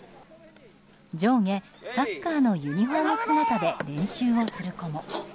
上下サッカーのユニホーム姿で練習をする子も。